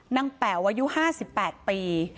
แป๋วอายุ๕๘ปี